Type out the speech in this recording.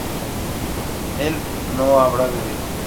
él no habrá bebido